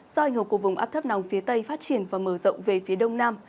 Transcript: do ảnh hưởng của vùng áp thấp nóng phía tây phát triển và mở rộng về phía đông nam